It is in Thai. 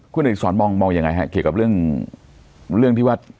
คุณอดิษรมองยังไงฮะเกี่ยวกับเรื่องที่ว่า